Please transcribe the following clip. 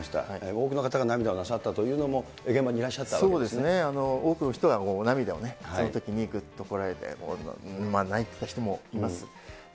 多くの方が涙をなさったというのも、現場にいらっしゃったわけでそうですね、多くの人が涙を、そのときにぐっとこらえて、もう、泣いてた人もいます。